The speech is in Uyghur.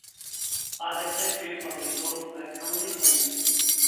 ئادەتتە كۆيۈپ ئاغرىيدۇ ۋە كۆڭلى ئاينىيدۇ.